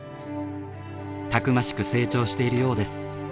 たくましく成長しているようです。